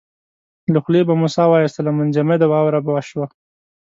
له خولې به مو ساه واېستله منجمده واوره به شوه.